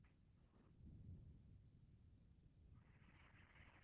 Es hija del actor Daniel Lugo.